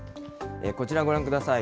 こちらご覧ください。